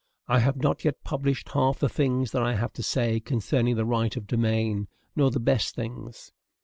I have not yet published half the things that I have to say concerning the right of domain, nor the best things.